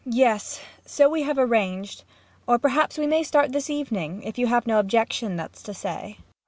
] Yes, so we have arranged. Or perhaps we may start this evening. If you have no objection, that's to say?